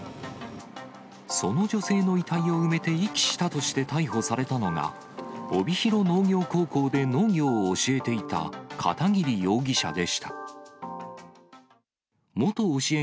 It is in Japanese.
その女性の遺体を埋めて遺棄したとして逮捕されたのが、帯広農業高校で農業を教えていた片桐容疑者でした。